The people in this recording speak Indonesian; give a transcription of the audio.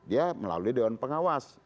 ya melalui dewan pengawas